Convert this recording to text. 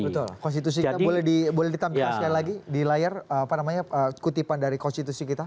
betul konstitusi kita boleh ditampilkan sekali lagi di layar apa namanya kutipan dari konstitusi kita